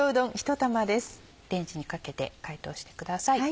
レンジにかけて解凍してください。